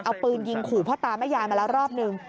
เอาปืนยิงขู่พ่อตาแม่ยายมาแล้วรอบหนึ่ง